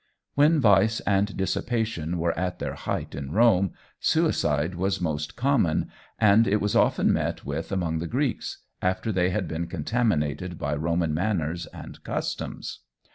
When vice and dissipation were at their height in Rome, suicide was most common, and it was often met with among the Greeks, after they had been contaminated by Roman manners and customs.